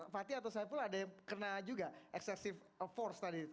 fati atau saya pula ada yang kena juga ekstresif force tadi